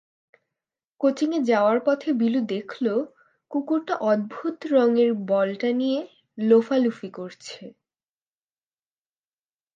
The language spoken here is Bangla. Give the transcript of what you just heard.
কোচিংয়ে যাওয়ার পথে বিলু দেখল, কুকুরটা অদ্ভুত রঙের বলটা নিয়ে লোফালুফি করছে।